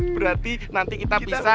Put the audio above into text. berarti nanti kita bisa